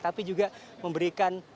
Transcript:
tapi juga memberikan